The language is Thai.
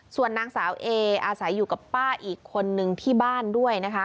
ส่วนนางสาวเออาศัยอยู่กับป้าอีกคนนึงที่บ้านด้วยนะคะ